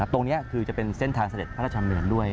ตรงนี้คือจะเป็นเส้นทางเสด็จพระราชดำเนินด้วย